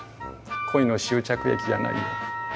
恋の終着駅じゃないよ。